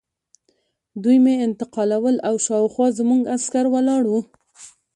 دوی مې انتقالول او شاوخوا زموږ عسکر ولاړ وو